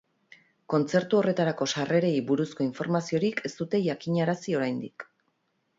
Kontzertu horretarako sarrerei buruzko informaziorik ez dute jakinarazi oraindik.